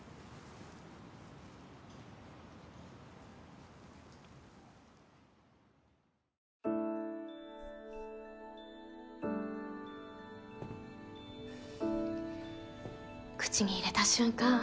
現在口に入れた瞬間